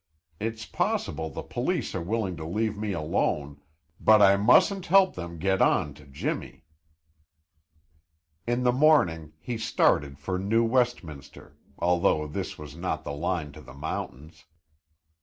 It's possible the police are willing to leave me alone, but I mustn't help them get on to Jimmy." In the morning he started for New Westminster, although this was not the line to the mountains.